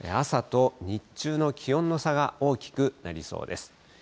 朝と日中の気温の差が大きくなりそうです。